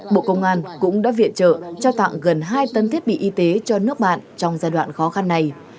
bộ công an cũng đã viện trợ trao tặng gần hai tấn thiết bị y tế cho nước bạn trong giai đoạn khó khăn này